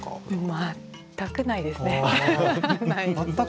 全くないですね。